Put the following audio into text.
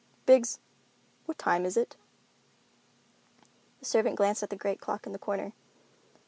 "Biggs, what time is it?" The servant glanced at the great clock in the corner.